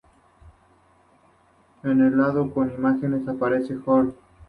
En el lado con imágenes aparece Horn.